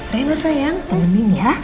rena sayang temenin ya